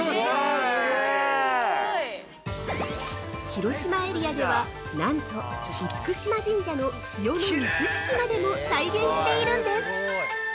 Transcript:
◆広島エリアでは、なんと嚴島神社の潮の満ち引きまでも再現しているんです。